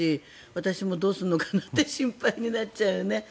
私も、どうするのかなって心配になっちゃうよね。